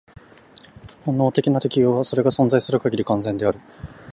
本能的な適応は、それが存在する限り、完全である。